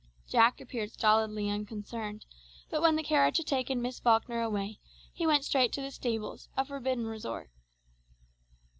Jack appeared stolidly unconcerned, but when the carriage had taken Miss Falkner away, he went straight to the stables, a forbidden resort.